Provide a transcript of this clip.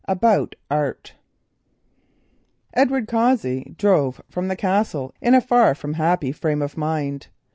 ABOUT ART Edward Cossey drove from the Castle in a far from happy frame of mind.